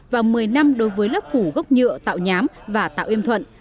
và một mươi năm đối với lớp phủ gốc nhựa tạo nhám và tạo yêm thuận